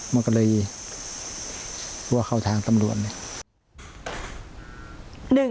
เพราะว่าเขาทางตำรวจ